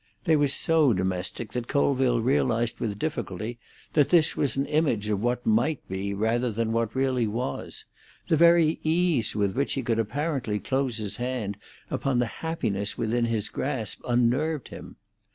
They were so domestic that Colville realised with difficulty that this was an image of what might be rather than what really was; the very ease with which he could apparently close his hand upon the happiness within his grasp unnerved him.